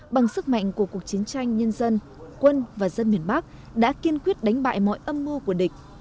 bằng sức mạnh của cuộc chiến tranh nhân dân quân và dân miền bắc đã kiên quyết đánh bại mọi âm mưu của địch